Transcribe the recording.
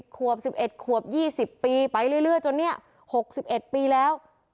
ขวบ๑๑ขวบ๒๐ปีไปเรื่อยจนเนี่ย๖๑ปีแล้ว